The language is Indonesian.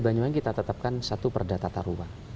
banyuwangi kita tetapkan satu perda tata ruang